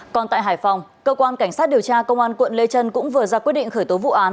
còn tại hải phòng cơ quan cảnh sát điều tra công an quận lê trân cũng vừa ra quyết định khởi tố vụ án